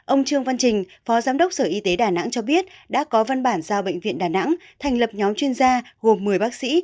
ông trương văn trình phó giám đốc sở y tế đà nẵng cho biết đã có văn bản giao bệnh viện đà nẵng thành lập nhóm chuyên gia gồm một mươi bác sĩ